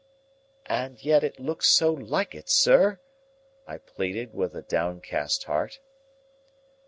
"And yet it looked so like it, sir," I pleaded with a downcast heart.